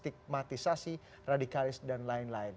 stigmatisasi radikalis dan lain lain